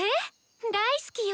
大好きよ。